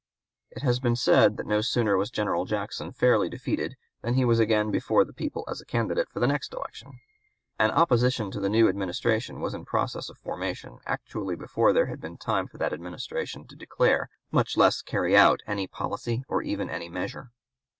It has been said that no sooner was General Jackson fairly defeated than he was again before the people as a candidate for the next election. An opposition to the new Administration was in process of formation actually before there had been time for that Administration to declare, much less (p. 196) to carry out, any policy or even any measure.